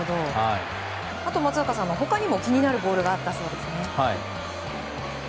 あと、松坂さんは他にも気になるボールがあったそうですね。